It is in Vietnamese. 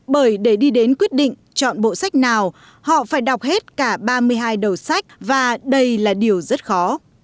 bởi để đi đến quyết định chọn bộ sách nào họ phải đọc hết cả ba mươi hai đầu sách và đây là điều rất khó